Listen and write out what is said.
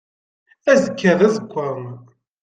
Azekka d aẓekka.